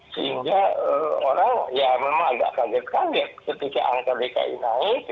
sehingga orang ya memang agak kaget kaget ketika angka dki naik